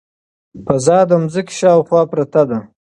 فضا د ځمکې شاوخوا پرته ده.